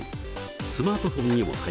スマートフォンにも対応。